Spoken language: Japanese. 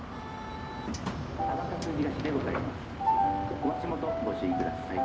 お足元ご注意ください」